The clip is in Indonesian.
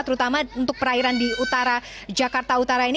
terutama untuk perairan di utara jakarta utara ini